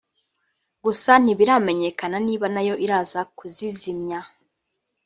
gusa ntibiramenyekana niba nayo iraza kuzizimya